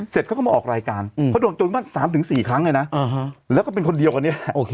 เสร็จเขาก็มาออกรายการเขาโดนจนว่า๓๔ครั้งเลยนะแล้วก็เป็นคนเดียวกันเนี่ยโอเค